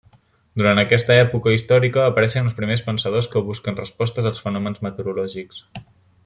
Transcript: Durant aquesta època històrica apareixen els primers pensadors que busquen respostes als fenòmens meteorològics.